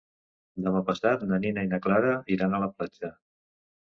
Demà passat na Nina i na Clara iran a la platja.